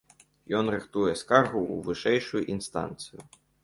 Ён рыхтуе скаргу ў вышэйшую інстанцыю.